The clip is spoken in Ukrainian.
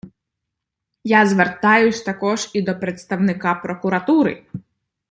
Я звертаюсь також і до представника прокуратури!